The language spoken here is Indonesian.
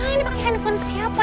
ini pake handphone siapa